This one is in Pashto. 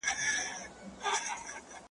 د غوايي څنګ ته یې ځان وو رسولی ,